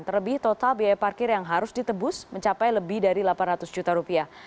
terlebih total biaya parkir yang harus ditebus mencapai lebih dari delapan ratus juta rupiah